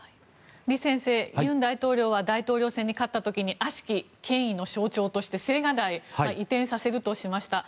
李先生尹大統領は大統領選に勝った時にあしき権威の象徴として青瓦台を移転させるとしました。